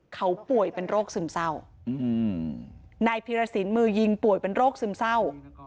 เขาป่วยเป็นโรคซึมเศร้านายพีรสินมือยิงป่วยเป็นโรคซึมเศร้า